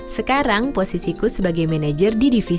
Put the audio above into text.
sekarang posisiku sebagai manager dididik